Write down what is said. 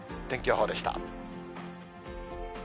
天気予報でした。